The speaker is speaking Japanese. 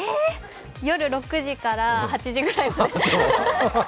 夜６時から８時ぐらいまで。